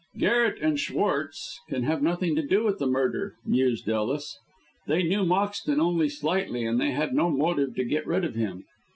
"Garret and Schwartz can have nothing to do with the murder!" mused Ellis; "they knew Moxton only slightly, and they had no motive to get rid of him.